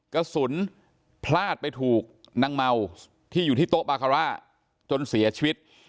กระสุนพลาดไปถูกนางเมาที่อยู่ที่โต๊ะบาคาร่าจนเสียชีวิต